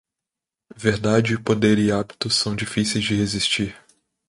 Verdade, poder e hábitos são difíceis de resistir.